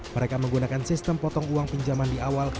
mereka menggunakan sistem potong uang pinjaman di awal